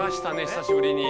久しぶりに。